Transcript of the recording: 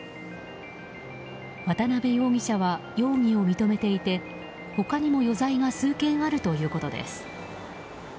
渡辺容疑者は容疑を認めていて他にも余罪が数件あるということです。